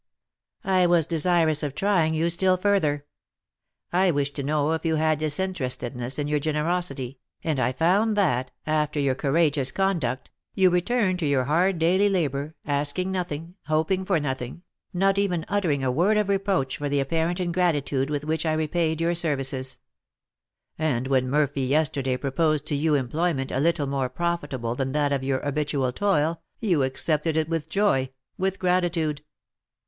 "I was desirous of trying you still further; I wished to know if you had disinterestedness in your generosity, and I found that, after your courageous conduct, you returned to your hard daily labour, asking nothing, hoping for nothing, not even uttering a word of reproach for the apparent ingratitude with which I repaid your services; and when Murphy yesterday proposed to you employment a little more profitable than that of your habitual toil, you accepted it with joy, with gratitude."